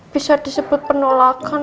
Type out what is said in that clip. bisa disebut penolakan